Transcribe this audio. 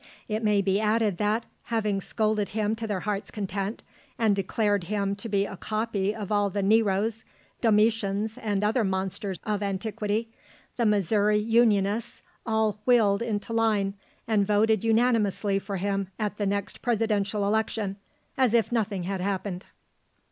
It may be added that, having scolded him to their hearts' content, and declared him to be a copy of all the Neros, Domitians, and other monsters of antiquity, the Missouri Unionists all wheeled into line and voted unanimously for him at the next Presidential election, as if nothing had happened.